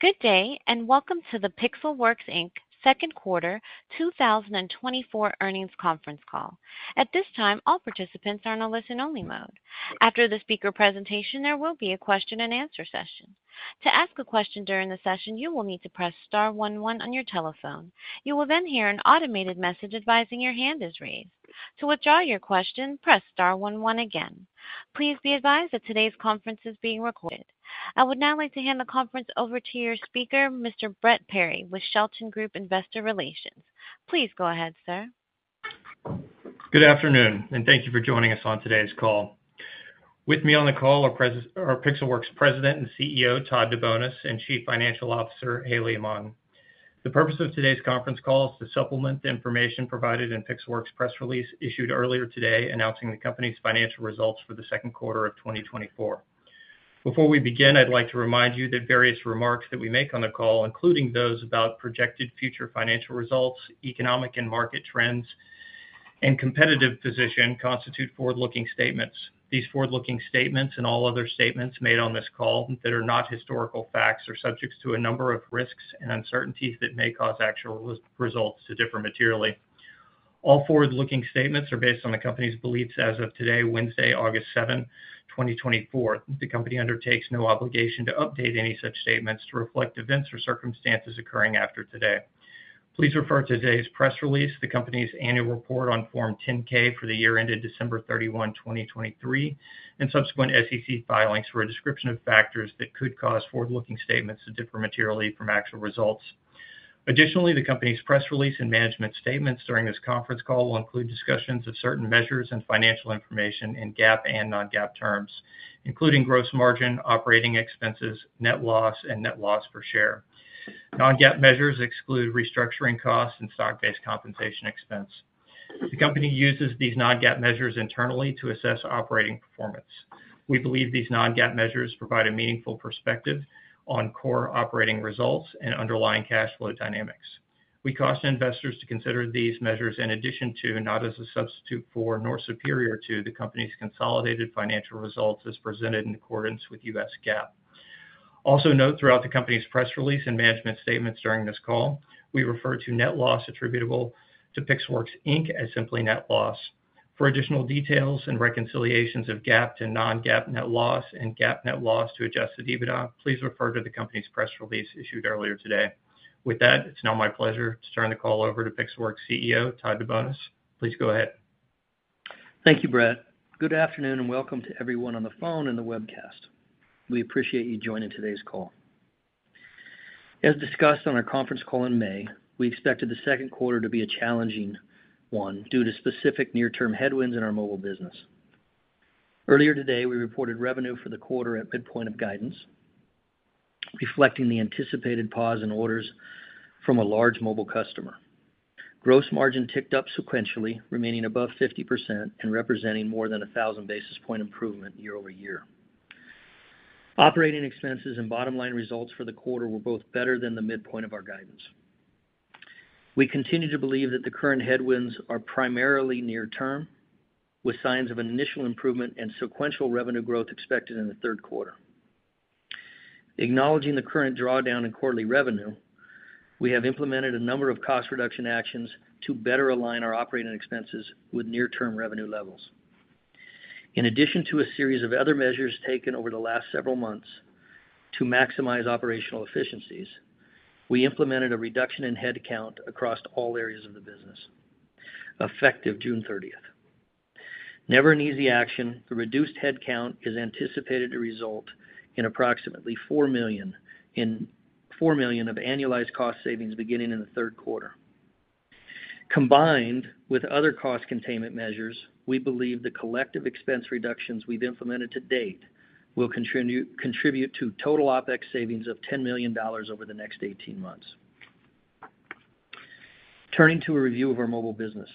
Good day, and welcome to the Pixelworks, Inc. second quarter 2024 earnings conference call. At this time, all participants are in a listen-only mode. After the speaker presentation, there will be a question-and-answer session. To ask a question during the session, you will need to press star one one on your telephone. You will then hear an automated message advising your hand is raised. To withdraw your question, press star one one again. Please be advised that today's conference is being recorded. I would now like to hand the conference over to your speaker, Mr. Brett Perry, with Shelton Group Investor Relations. Please go ahead, sir. Good afternoon, and thank you for joining us on today's call. With me on the call are Pixelworks President and CEO, Todd DeBonis, and Chief Financial Officer, Haley Meng. The purpose of today's conference call is to supplement the information provided in Pixelworks' press release issued earlier today, announcing the company's financial results for the second quarter of 2024. Before we begin, I'd like to remind you that various remarks that we make on the call, including those about projected future financial results, economic and market trends, and competitive position, constitute forward-looking statements. These forward-looking statements and all other statements made on this call that are not historical facts, are subject to a number of risks and uncertainties that may cause actual results to differ materially. All forward-looking statements are based on the company's beliefs as of today, Wednesday, August 7, 2024. The company undertakes no obligation to update any such statements to reflect events or circumstances occurring after today. Please refer to today's press release, the company's annual report on Form 10-K for the year ended December 31, 2023, and subsequent SEC filings for a description of factors that could cause forward-looking statements to differ materially from actual results. Additionally, the company's press release and management statements during this conference call will include discussions of certain measures and financial information in GAAP and non-GAAP terms, including gross margin, operating expenses, net loss, and net loss per share. Non-GAAP measures exclude restructuring costs and stock-based compensation expense. The company uses these non-GAAP measures internally to assess operating performance. We believe these non-GAAP measures provide a meaningful perspective on core operating results and underlying cash flow dynamics. We caution investors to consider these measures in addition to, and not as a substitute for, nor superior to, the company's consolidated financial results as presented in accordance with U.S. GAAP. Also, note throughout the company's press release and management statements during this call, we refer to net loss attributable to Pixelworks Inc. as simply net loss. For additional details and reconciliations of GAAP to non-GAAP net loss and GAAP net loss to adjusted EBITDA, please refer to the company's press release issued earlier today. With that, it's now my pleasure to turn the call over to Pixelworks' CEO, Todd DeBonis. Please go ahead. Thank you, Brett. Good afternoon, and welcome to everyone on the phone and the webcast. We appreciate you joining today's call. As discussed on our conference call in May, we expected the second quarter to be a challenging one due to specific near-term headwinds in our mobile business. Earlier today, we reported revenue for the quarter at midpoint of guidance, reflecting the anticipated pause in orders from a large mobile customer. Gross margin ticked up sequentially, remaining above 50% and representing more than a 1,000 basis point improvement year-over-year. Operating expenses and bottom-line results for the quarter were both better than the midpoint of our guidance. We continue to believe that the current headwinds are primarily near term, with signs of an initial improvement and sequential revenue growth expected in the third quarter. Acknowledging the current drawdown in quarterly revenue, we have implemented a number of cost reduction actions to better align our operating expenses with near-term revenue levels. In addition to a series of other measures taken over the last several months to maximize operational efficiencies, we implemented a reduction in headcount across all areas of the business, effective June 30. Never an easy action, the reduced headcount is anticipated to result in approximately $4 million of annualized cost savings beginning in the third quarter. Combined with other cost containment measures, we believe the collective expense reductions we've implemented to date will contribute to total OpEx savings of $10 million over the next 18 months. Turning to a review of our mobile business.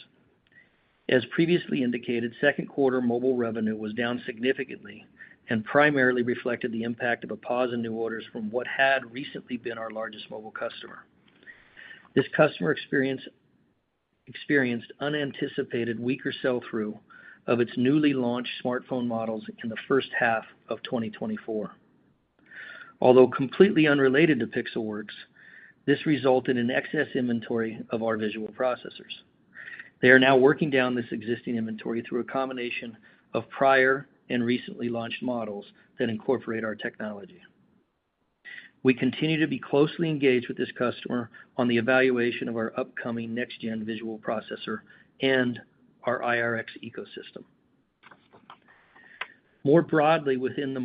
As previously indicated, second quarter mobile revenue was down significantly and primarily reflected the impact of a pause in new orders from what had recently been our largest mobile customer. This customer experienced unanticipated weaker sell-through of its newly launched smartphone models in the first half of 2024. Although completely unrelated to Pixelworks, this resulted in excess inventory of our visual processors. They are now working down this existing inventory through a combination of prior and recently launched models that incorporate our technology. We continue to be closely engaged with this customer on the evaluation of our upcoming next-gen visual processor and our IRX ecosystem. More broadly, within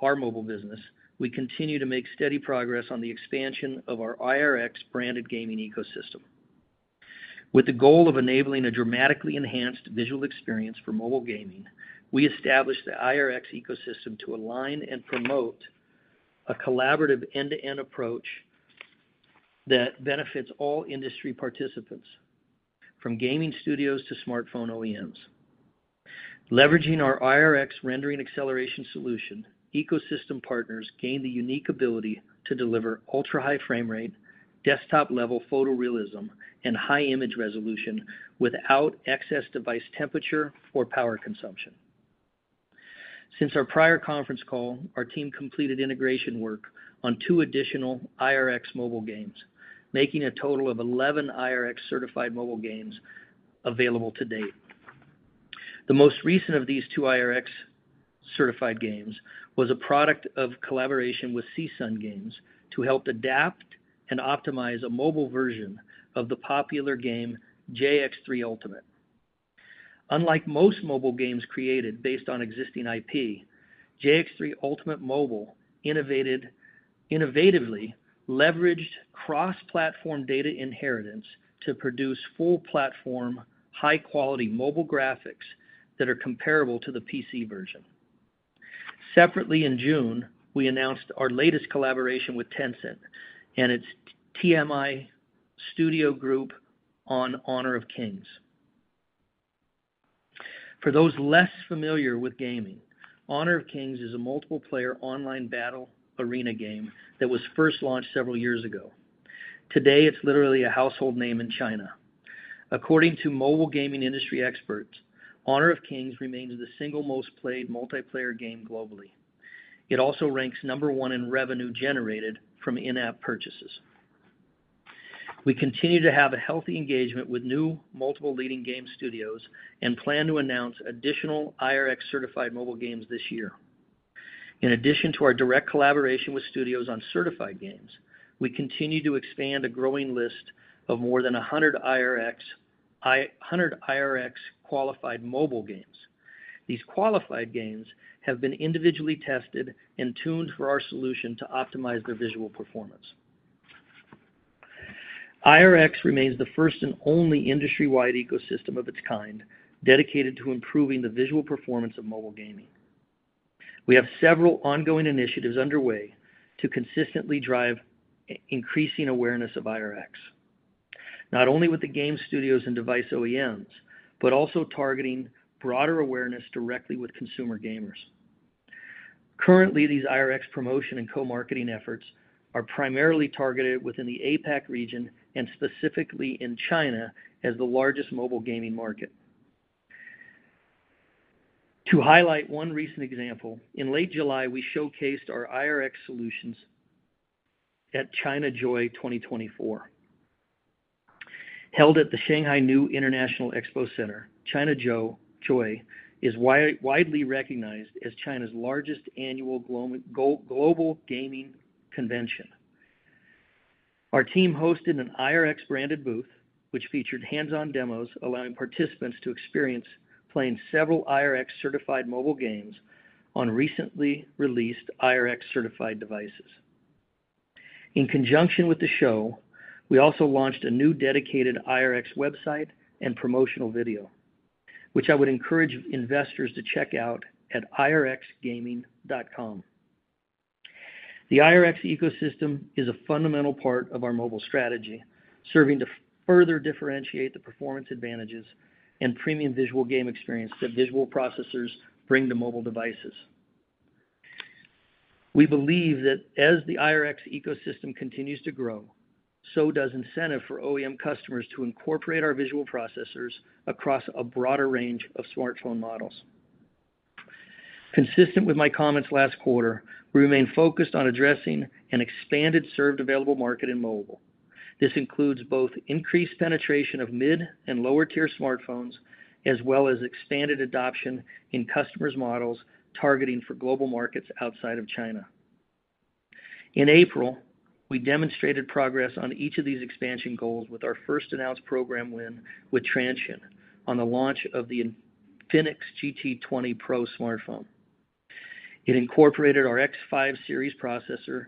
our mobile business, we continue to make steady progress on the expansion of our IRX-branded gaming ecosystem. With the goal of enabling a dramatically enhanced visual experience for mobile gaming, we established the IRX ecosystem to align and promote a collaborative end-to-end approach that benefits all industry participants, from gaming studios to smartphone OEMs. Leveraging our IRX rendering acceleration solution, ecosystem partners gain the unique ability to deliver ultra-high frame rate, desktop-level photorealism, and high image resolution without excess device temperature or power consumption.... Since our prior conference call, our team completed integration work on two additional IRX mobile games, making a total of 11 IRX certified mobile games available to date. The most recent of these two IRX certified games was a product of collaboration with Seasun Games to help adapt and optimize a mobile version of the popular game JX3 Ultimate. Unlike most mobile games created based on existing IP, JX3 Ultimate Mobile innovatively leveraged cross-platform data inheritance to produce full platform, high-quality mobile graphics that are comparable to the PC version. Separately, in June, we announced our latest collaboration with Tencent and its TiMi Studio Group on Honor of Kings. For those less familiar with gaming, Honor of Kings is a multiplayer online battle arena game that was first launched several years ago. Today, it's literally a household name in China. According to mobile gaming industry experts, Honor of Kings remains the single most played multiplayer game globally. It also ranks number one in revenue generated from in-app purchases. We continue to have a healthy engagement with new multiple leading game studios and plan to announce additional IRX certified mobile games this year. In addition to our direct collaboration with studios on certified games, we continue to expand a growing list of more than 100 IRX qualified mobile games. These qualified games have been individually tested and tuned for our solution to optimize their visual performance. IRX remains the first and only industry-wide ecosystem of its kind, dedicated to improving the visual performance of mobile gaming. We have several ongoing initiatives underway to consistently drive increasing awareness of IRX, not only with the game studios and device OEMs, but also targeting broader awareness directly with consumer gamers. Currently, these IRX promotion and co-marketing efforts are primarily targeted within the APAC region and specifically in China as the largest mobile gaming market. To highlight one recent example, in late July, we showcased our IRX solutions at ChinaJoy 2024. Held at the Shanghai New International Expo Center, ChinaJoy is widely recognized as China's largest annual go-global gaming convention. Our team hosted an IRX branded booth, which featured hands-on demos, allowing participants to experience playing several IRX certified mobile games on recently released IRX certified devices. In conjunction with the show, we also launched a new dedicated IRX website and promotional video, which I would encourage investors to check out at irxgaming.com. The IRX ecosystem is a fundamental part of our mobile strategy, serving to further differentiate the performance advantages and premium visual game experience that visual processors bring to mobile devices. We believe that as the IRX ecosystem continues to grow, so does incentive for OEM customers to incorporate our visual processors across a broader range of smartphone models. Consistent with my comments last quarter, we remain focused on addressing an expanded, served, available market in mobile. This includes both increased penetration of mid and lower-tier smartphones, as well as expanded adoption in customers' models targeting for global markets outside of China. In April, we demonstrated progress on each of these expansion goals with our first announced program win with Transsion on the launch of the Infinix GT 20 Pro smartphone. It incorporated our X5 series processor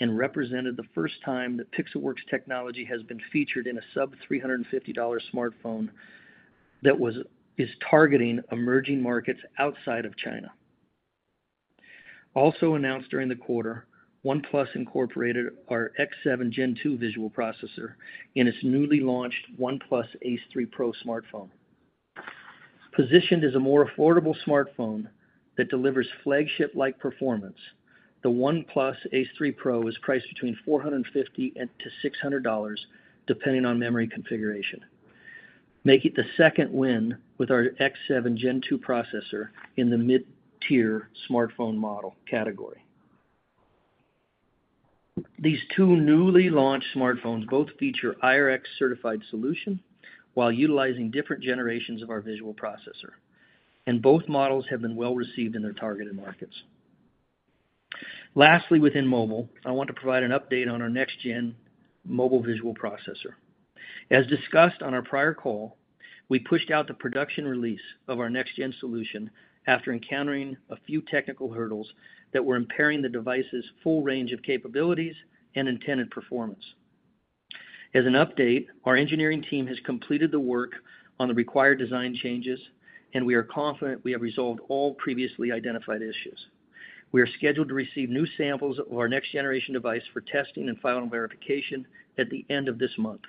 and represented the first time that Pixelworks technology has been featured in a sub $350 smartphone that is targeting emerging markets outside of China. Also announced during the quarter, OnePlus incorporated our X7 Gen 2 visual processor in its newly launched OnePlus Ace 3 Pro smartphone. Positioned as a more affordable smartphone that delivers flagship-like performance, the OnePlus Ace 3 Pro is priced between $450 and $600, depending on memory configuration, making it the second win with our X7 Gen 2 processor in the mid-tier smartphone model category. These two newly launched smartphones both feature IRX-certified solution while utilizing different generations of our visual processor, and both models have been well received in their targeted markets. Lastly, within mobile, I want to provide an update on our next-gen mobile visual processor. As discussed on our prior call, we pushed out the production release of our next-gen solution after encountering a few technical hurdles that were impairing the device's full range of capabilities and intended performance. As an update, our engineering team has completed the work on the required design changes, and we are confident we have resolved all previously identified issues. We are scheduled to receive new samples of our next generation device for testing and final verification at the end of this month,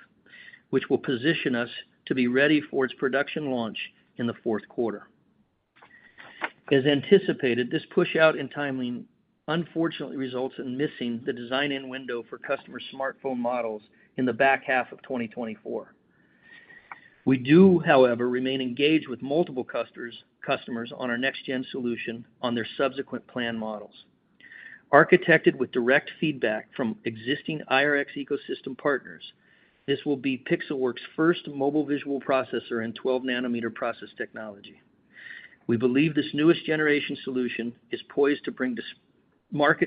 which will position us to be ready for its production launch in the fourth quarter. As anticipated, this push out in timing, unfortunately, results in missing the design win window for customer smartphone models in the back half of 2024. We do, however, remain engaged with multiple customers on our next-gen solution on their subsequent planned models. Architected with direct feedback from existing IRX ecosystem partners, this will be Pixelworks' first mobile visual processor and 12-nanometer process technology. We believe this newest generation solution is poised to bring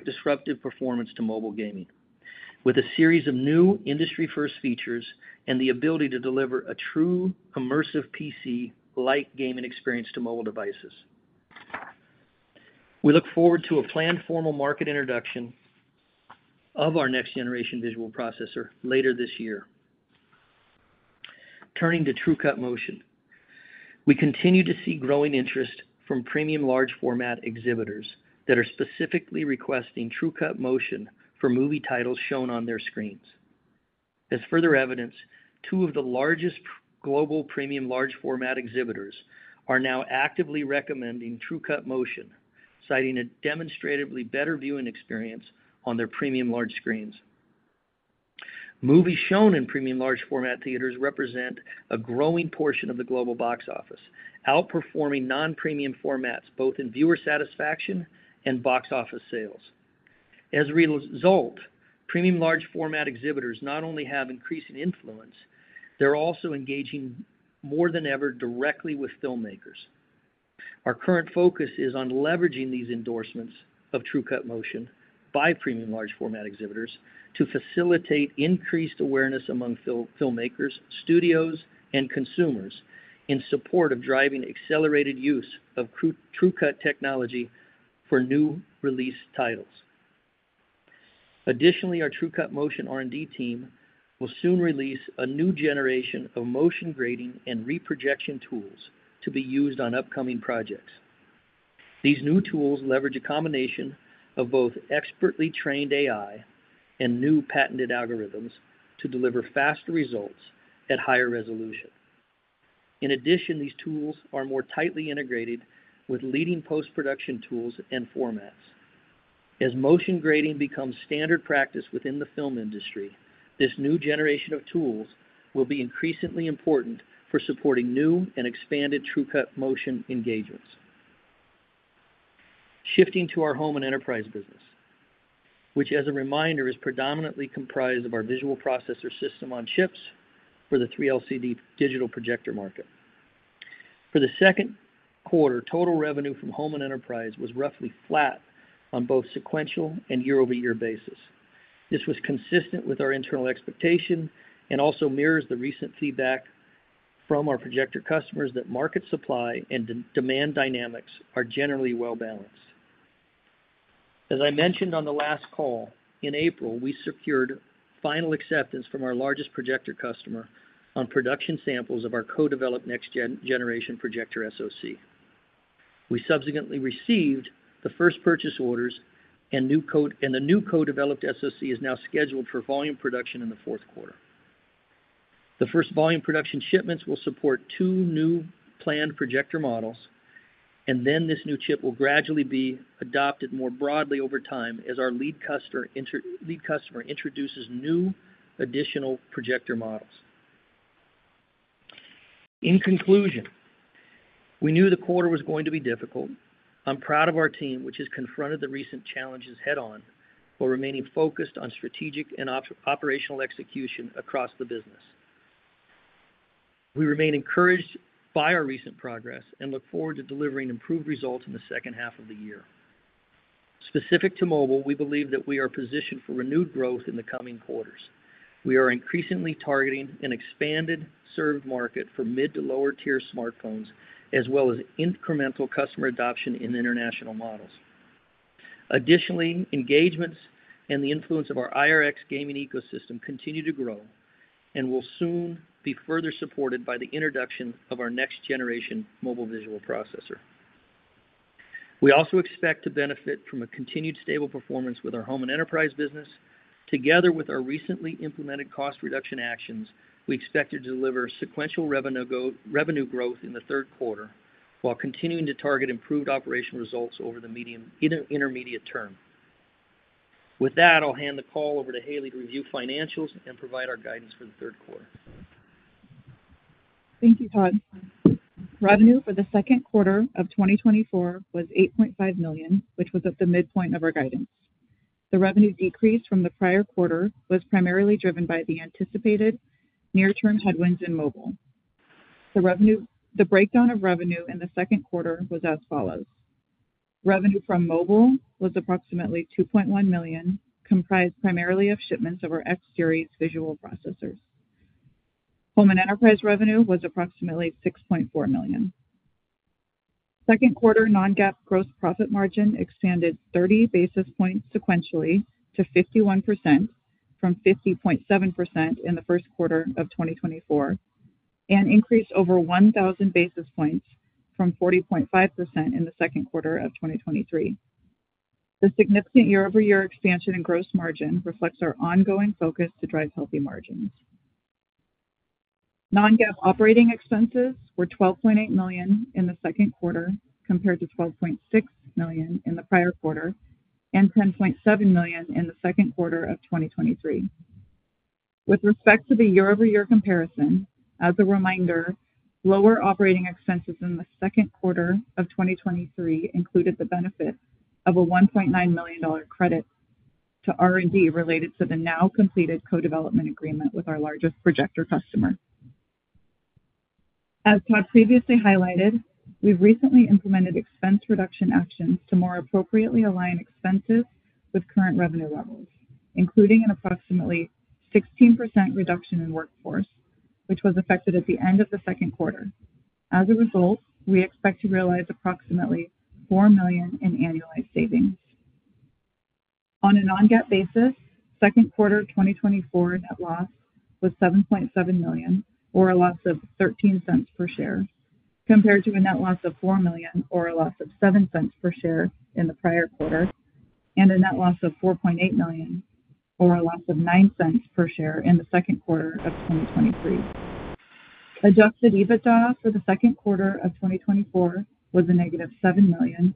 disruptive performance to mobile gaming, with a series of new industry-first features and the ability to deliver a true immersive PC-like gaming experience to mobile devices. We look forward to a planned formal market introduction of our next generation visual processor later this year. Turning to TrueCut Motion. We continue to see growing interest from premium large format exhibitors that are specifically requesting TrueCut Motion for movie titles shown on their screens. As further evidence, two of the largest global premium large format exhibitors are now actively recommending TrueCut Motion, citing a demonstratively better viewing experience on their premium large screens. Movies shown in premium large format theaters represent a growing portion of the global box office, outperforming non-premium formats, both in viewer satisfaction and box office sales. As a result, premium large format exhibitors not only have increasing influence, they're also engaging more than ever directly with filmmakers. Our current focus is on leveraging these endorsements of TrueCut Motion by premium large format exhibitors to facilitate increased awareness among film, filmmakers, studios, and consumers in support of driving accelerated use of TrueCut technology for new release titles. Additionally, our TrueCut Motion R&D team will soon release a new generation of motion grading and reprojection tools to be used on upcoming projects. These new tools leverage a combination of both expertly trained AI and new patented algorithms to deliver faster results at higher resolution. In addition, these tools are more tightly integrated with leading post-production tools and formats. As motion grading becomes standard practice within the film industry, this new generation of tools will be increasingly important for supporting new and expanded TrueCut Motion engagements. Shifting to our home and enterprise business, which, as a reminder, is predominantly comprised of our visual processor SoCs for the 3LCD digital projector market. For the second quarter, total revenue from home and enterprise was roughly flat on both sequential and year-over-year basis. This was consistent with our internal expectation and also mirrors the recent feedback from our projector customers that market supply and demand dynamics are generally well balanced. As I mentioned on the last call, in April, we secured final acceptance from our largest projector customer on production samples of our co-developed next generation projector SoC. We subsequently received the first purchase orders and the new co-developed SoC is now scheduled for volume production in the fourth quarter. The first volume production shipments will support two new planned projector models, and then this new chip will gradually be adopted more broadly over time as our lead customer introduces new additional projector models. In conclusion, we knew the quarter was going to be difficult. I'm proud of our team, which has confronted the recent challenges head-on, while remaining focused on strategic and operational execution across the business. We remain encouraged by our recent progress and look forward to delivering improved results in the second half of the year. Specific to mobile, we believe that we are positioned for renewed growth in the coming quarters. We are increasingly targeting an expanded served market for mid- to lower-tier smartphones, as well as incremental customer adoption in international models. Additionally, engagements and the influence of our IRX gaming ecosystem continue to grow and will soon be further supported by the introduction of our next generation mobile visual processor. We also expect to benefit from a continued stable performance with our home and enterprise business. Together with our recently implemented cost reduction actions, we expect to deliver sequential revenue growth in the third quarter, while continuing to target improved operational results over the medium, intermediate term. With that, I'll hand the call over to Haley to review financials and provide our guidance for the third quarter. Thank you, Todd. Revenue for the second quarter of 2024 was $8.5 million, which was at the midpoint of our guidance. The revenue decrease from the prior quarter was primarily driven by the anticipated near-term headwinds in mobile. The breakdown of revenue in the second quarter was as follows: Revenue from mobile was approximately $2.1 million, comprised primarily of shipments of our X-series visual processors. Home and enterprise revenue was approximately $6.4 million. Second quarter non-GAAP gross profit margin expanded 30 basis points sequentially to 51%, from 50.7% in the first quarter of 2024, and increased over 1,000 basis points from 40.5% in the second quarter of 2023. The significant year-over-year expansion in gross margin reflects our ongoing focus to drive healthy margins. Non-GAAP operating expenses were $12.8 million in the second quarter, compared to $12.6 million in the prior quarter, and $10.7 million in the second quarter of 2023. With respect to the year-over-year comparison, as a reminder, lower operating expenses in the second quarter of 2023 included the benefit of a $1.9 million credit to R&D, related to the now completed co-development agreement with our largest projector customer. As Todd previously highlighted, we've recently implemented expense reduction actions to more appropriately align expenses with current revenue levels, including an approximately 16% reduction in workforce, which was affected at the end of the second quarter. As a result, we expect to realize approximately $4 million in annualized savings. On a non-GAAP basis, second quarter 2024 net loss was $7.7 million, or a loss of $0.13 per share, compared to a net loss of $4 million, or a loss of $0.07 per share in the prior quarter, and a net loss of $4.8 million, or a loss of $0.09 per share in the second quarter of 2023. Adjusted EBITDA for the second quarter of 2024 was negative $7 million,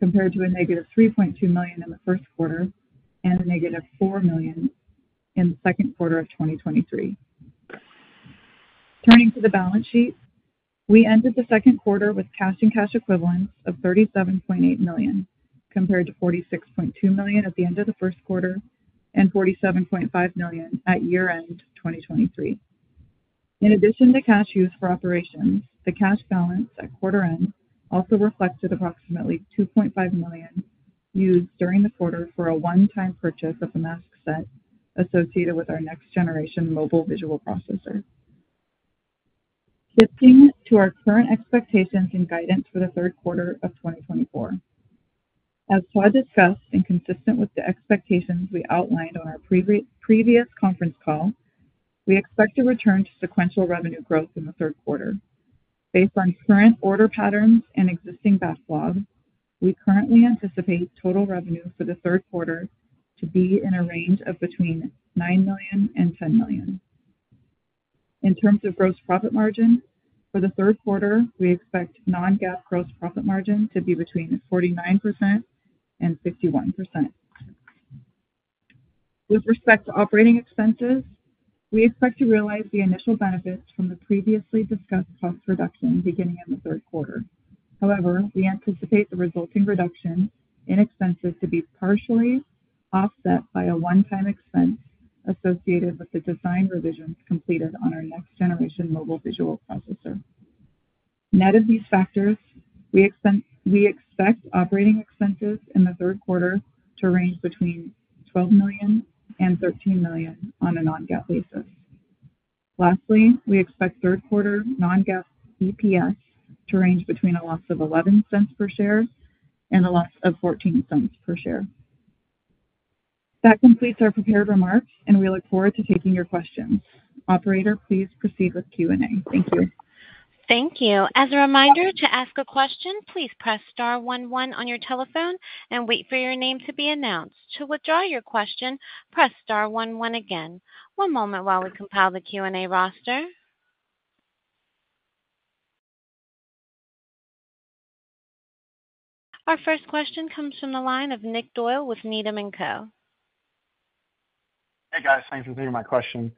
compared to negative $3.2 million in the first quarter and negative $4 million in the second quarter of 2023. Turning to the balance sheet. We ended the second quarter with cash and cash equivalents of $37.8 million, compared to $46.2 million at the end of the first quarter and $47.5 million at year-end 2023. In addition to cash used for operations, the cash balance at quarter end also reflected approximately $2.5 million used during the quarter for a one-time purchase of the mask set associated with our next generation mobile visual processor. Switching to our current expectations and guidance for the third quarter of 2024. As Todd discussed, and consistent with the expectations we outlined on our previous conference call, we expect to return to sequential revenue growth in the third quarter. Based on current order patterns and existing backlog, we currently anticipate total revenue for the third quarter to be in a range of between $9 million and $10 million. In terms of gross profit margin, for the third quarter, we expect non-GAAP gross profit margin to be between 49% and 51%. With respect to operating expenses, we expect to realize the initial benefits from the previously discussed cost reduction beginning in the third quarter. However, we anticipate the resulting reduction in expenses to be partially offset by a one-time expense associated with the design revisions completed on our next generation mobile visual processor. Net of these factors, we expect operating expenses in the third quarter to range between $12 million and $13 million on a non-GAAP basis. Lastly, we expect third quarter non-GAAP EPS to range between a loss of $0.11 per share and a loss of $0.14 per share. That completes our prepared remarks, and we look forward to taking your questions. Operator, please proceed with Q&A. Thank you. Thank you. As a reminder, to ask a question, please press star one one on your telephone and wait for your name to be announced. To withdraw your question, press star one one again. One moment while we compile the Q&A roster. Our first question comes from the line of Nick Doyle with Needham & Company. Hey, guys. Thanks for taking my question.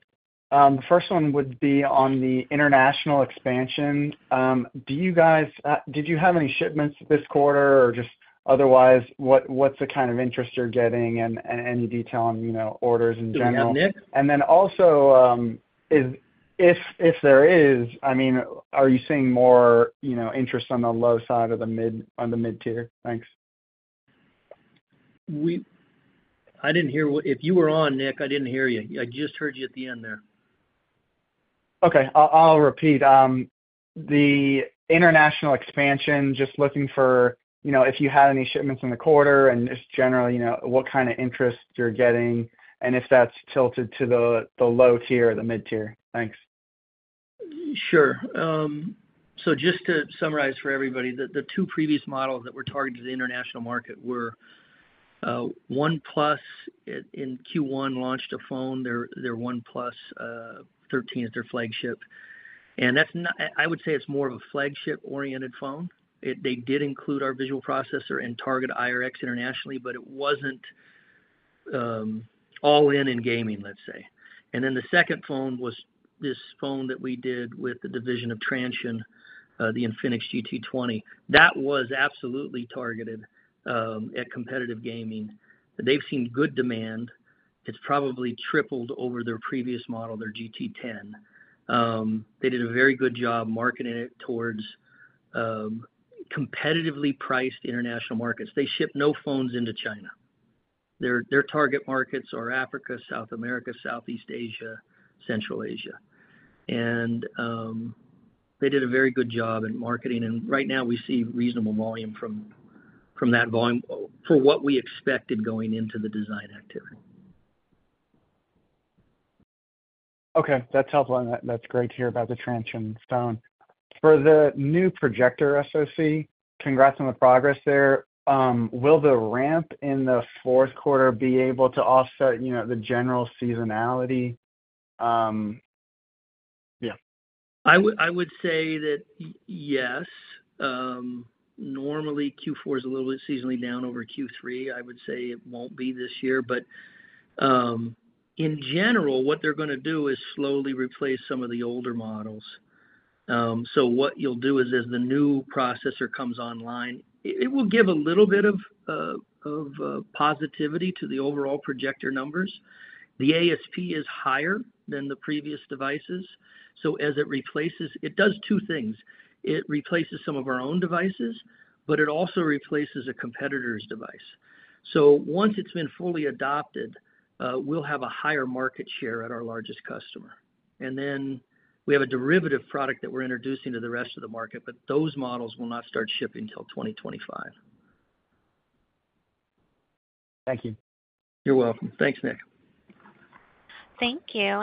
The first one would be on the international expansion. Did you have any shipments this quarter, or just otherwise, what's the kind of interest you're getting and any detail on, you know, orders in general? Yeah, Nick. And then also, if there is, I mean, are you seeing more, you know, interest on the low side or the mid-tier? Thanks. I didn't hear what... If you were on, Nick, I didn't hear you. I just heard you at the end there. Okay, I'll repeat. The international expansion, just looking for, you know, if you had any shipments in the quarter and just generally, you know, what kind of interest you're getting, and if that's tilted to the low tier or the mid-tier. Thanks. Sure. So just to summarize for everybody, the two previous models that were targeted to the international market were OnePlus in Q1 launched a phone, their OnePlus 13 is their flagship. And that's not, I would say it's more of a flagship-oriented phone. They did include our visual processor and target IRX internationally, but it wasn't all in gaming, let's say. And then the second phone was this phone that we did with the division of Transsion, the Infinix GT20. That was absolutely targeted at competitive gaming. They've seen good demand. It's probably tripled over their previous model, their GT10. They did a very good job marketing it towards competitively priced international markets. They ship no phones into China. Their target markets are Africa, South America, Southeast Asia, Central Asia. They did a very good job in marketing, and right now we see reasonable volume from that volume for what we expected going into the design activity. Okay, that's helpful, and that's great to hear about the Transsion phone. For the new projector SoC, congrats on the progress there. Will the ramp in the fourth quarter be able to offset, you know, the general seasonality? Yeah. I would say that yes. Normally, Q4 is a little bit seasonally down over Q3. I would say it won't be this year, but in general, what they're gonna do is slowly replace some of the older models. So what you'll do is, as the new processor comes online, it will give a little bit of positivity to the overall projector numbers. The ASP is higher than the previous devices, so as it replaces, it does two things: It replaces some of our own devices, but it also replaces a competitor's device. So once it's been fully adopted, we'll have a higher market share at our largest customer. And then we have a derivative product that we're introducing to the rest of the market, but those models will not start shipping till 2025. Thank you. You're welcome. Thanks, Nick. Thank you.